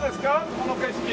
この景色。